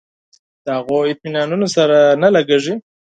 د هغو اطمینانونو سره نه لګېږي.